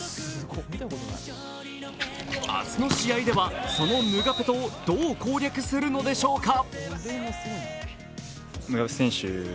明日の試合ではそのヌガペトをどう攻略するのでしょうか。